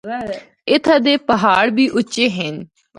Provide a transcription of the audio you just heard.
اِتھا دے پہاڑ بھی اُچے ہن۔